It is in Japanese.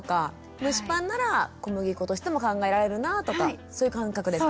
蒸しパンなら小麦粉としても考えられるなとかそういう感覚ですか？